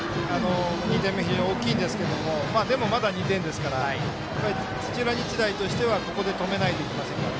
２点目非常に大きいんですけどでも、まだ２点ですから土浦日大としてはここで止めないといけません。